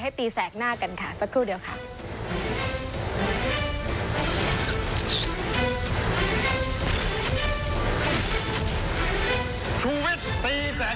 ตีแสกหน้ากันค่ะสักครู่เดียวค่ะ